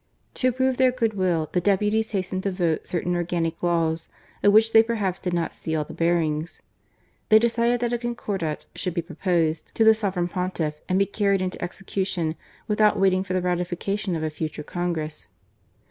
To prove their good will, the deputies hastened to vote certain organic laws, of which they perhaps did not see all the bear ings. They decided that a concordat should be pro posed to the Sovereign Pontiff and be carried into execution without waiting for the ratification of a future congress.